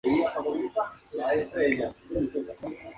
Arn fue mánager de Ric Flair, Sgt.